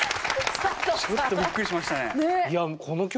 ちょっとびっくりしましたね。